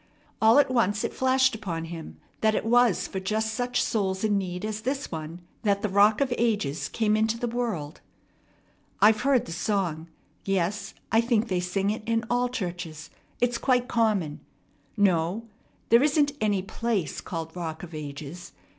All at once it flashed upon him that it was for just such souls in need as this one that the Rock of Ages came into the world. "I've heard the song. Yes, I think they sing it in all churches. It's quite common. No, there isn't any place called Rock of Ages.